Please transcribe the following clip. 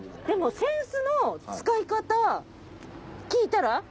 でも扇子の使い方聞いたら？